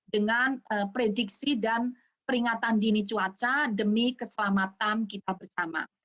dengan prediksi dan peringatan dini cuaca demi keselamatan kita bersama